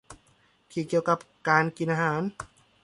ที่เกี่ยวกับการกินอาหาร